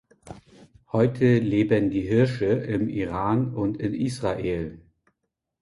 Heute leben die Hirsche im Iran und in Israel.